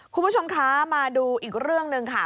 คุณผู้ชมคะมาดูอีกเรื่องหนึ่งค่ะ